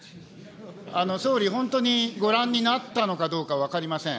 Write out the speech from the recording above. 総理、本当にご覧になったのかどうか分かりません。